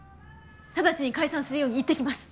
直ちに解散するように言ってきます。